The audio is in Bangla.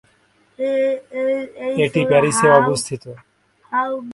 এটি প্যারিসে অবস্থিত।